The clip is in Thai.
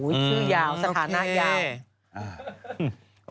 ชื่อยาวสถานะยาว